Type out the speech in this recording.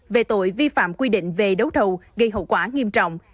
về tội vi phạm quy định về đấu thầu gây hậu quả nghiêm trọng